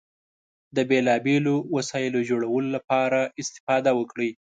د بېلو بېلو وسایلو جوړولو لپاره استفاده وکړئ.